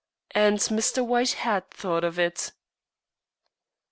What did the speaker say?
And Mr. White had thought of it.